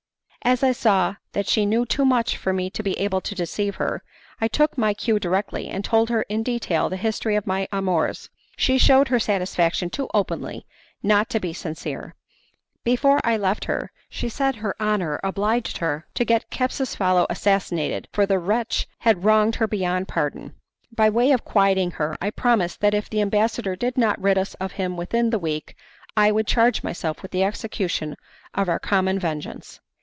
As I saw that she knew too much for me to be able to deceive her, I took my cue directly and told her in detail the history of my amours. She shewed her satisfaction too openly not to be sincere. Before I left her she said her honour obliged her to get Capsucefalo assassinated, for the wretch had wronged her beyond pardon. By way of quieting her I promised that if the ambassador did not rid us of him within the week I would charge myself with the execution of our common vengeance.